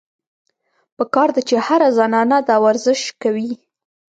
پکار ده چې هره زنانه دا ورزش کوي -